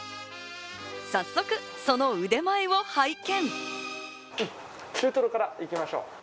早速その腕前を拝見。